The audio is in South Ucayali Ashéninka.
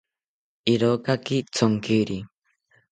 Irokaki thonkiri